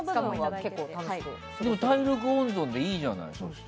でも体力温存でいいじゃない。